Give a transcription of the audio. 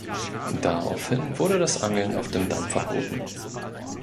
Daraufhin wurde das Angeln auf dem Damm verboten.